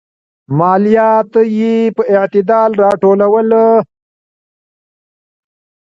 ماليات يې په اعتدال راټولول.